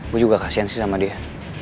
gue juga kasihan sih sama dia